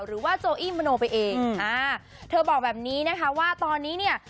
หรือว่าโจอี้มโนไปเองอ่าเธอบอกแบบนี้นะคะว่าตอนนี้เนี่ย